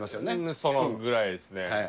そのぐらいですね。